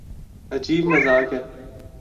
عجیب مذاق ہے۔